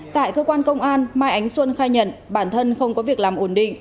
tại cơ quan công an mai ánh xuân khai nhận bản thân không có việc làm ổn định